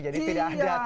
jadi pilih ahli hati